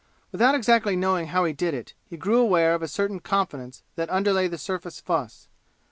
Without exactly knowing how he did it, he grew aware of a certain confidence that underlay the surface fuss.